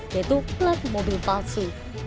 yaitu pelat mobil palsu